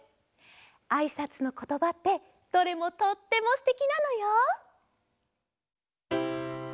あいさつのことばってどれもとってもすてきなのよ。